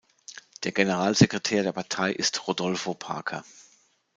Der Generalsekretär der Partei ist Rodolfo Parker.